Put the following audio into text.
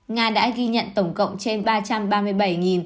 nga đã ghi nhận tổng cộng trên ba trăm ba mươi ca nhiễm mới